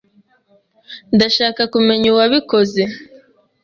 Ndashaka kumenya uwabikoze.